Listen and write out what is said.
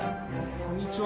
こんにちは。